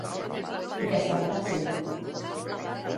I que serà fàcil?